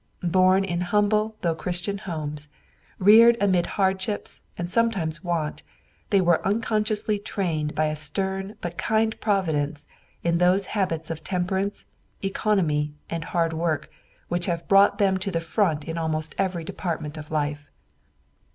Born in humble though Christian homes, reared amid hardships and sometimes want, they were unconsciously trained by a stern but kind Providence in those habits of temperance, economy and hard work which have brought them to the front in almost every department of life.